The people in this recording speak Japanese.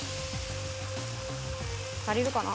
足りるかな？